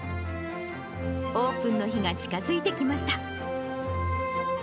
オープンの日が近づいてきました。